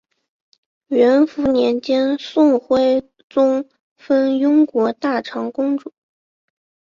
元符年间宋徽宗封雍国大长公主。